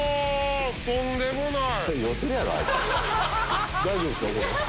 とんでもない！